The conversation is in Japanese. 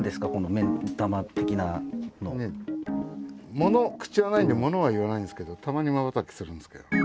もの口はないんでものは言わないんですけどたまにまばたきするんですけど。